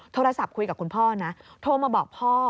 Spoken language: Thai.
โทรศัพท์คุยกับคุณพ่อนะโทรมาบอกพ่อ